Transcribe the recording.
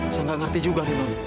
saya gak ngerti juga nih non